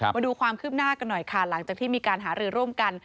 มาดูความคืบหน้ากันหน่อยค่ะหลังจากที่มีการหารือร่วมกัน